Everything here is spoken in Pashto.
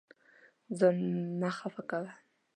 ځان مه خفه کوه.